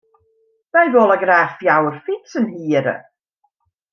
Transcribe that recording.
Wy wolle graach fjouwer fytsen hiere.